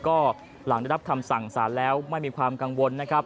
ก็หลังได้รับคำสั่งสารแล้วไม่มีความกังวลนะครับ